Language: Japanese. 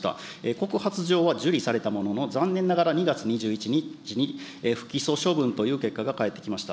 告発状は受理されたものの、残念ながら２月２１日に不起訴処分という結果が返ってきました。